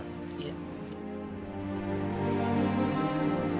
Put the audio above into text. apa beliau atau